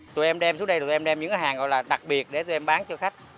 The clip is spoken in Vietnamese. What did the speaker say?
tụi em đem xuống đây tụi em đem những cái hàng gọi là đặc biệt để tụi em bán cho khách